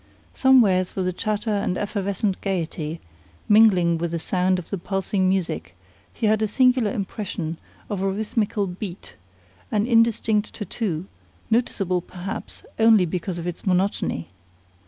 Somewhere through the chatter and effervescent gaiety, mingling with the sound of the pulsing music, he had a singular impression of a rhythmical beat, an indistinct tattoo, noticeable, perhaps, only because of its monotony.